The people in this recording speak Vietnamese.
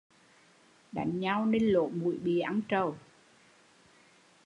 Đánh nhau nên lỗ mũi bị ăn trầu